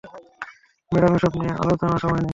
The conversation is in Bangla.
ম্যাডাম, এসব নিয়ে আলোচনার সময় নেই।